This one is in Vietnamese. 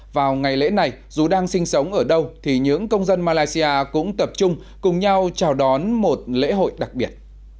vào ngày lễ này dù đang sinh sống ở đâu thì những công dân malaysia cũng tập trung cùng nhau chào đón một lễ hội đặc biệt